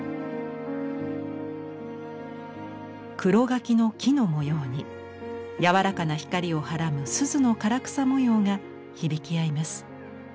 黒柿の木の模様に柔らかな光をはらむ錫の唐草模様が響き合います。